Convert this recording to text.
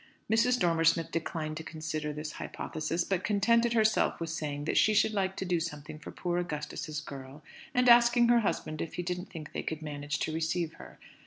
Mrs. Dormer Smith declined to consider this hypothesis, but contented herself with saying that she should like to do something for poor Augustus's girl, and asking her husband if he didn't think they could manage to receive her.